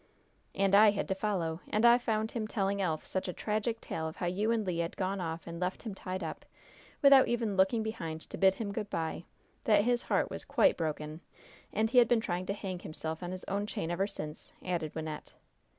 "And I had to follow, and I found him telling Elf such a tragic tale of how you and Le had gone off and left him tied up, without even looking behind to bid him good by, that his heart was quite broken, and he had been trying to hang himself on his own chain ever since!" added Wynnette.